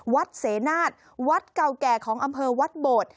เสนาทวัดเก่าแก่ของอำเภอวัดโบด